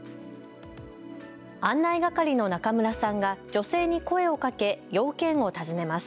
案内係の中村さんが女性に声をかけ用件を尋ねます。